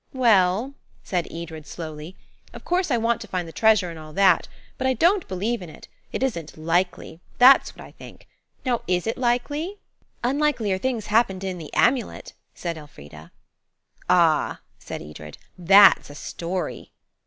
"Well," said Edred slowly, "of course I want to find the treasure and all that. But I don't believe in it. It isn't likely–that's what I think. Now is it likely?" "Unlikelier things happened in 'The Amulet,'" said Elfrida. "Ah," said Edred, "that's a story."